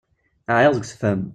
Ɛyiɣ deg usefhem.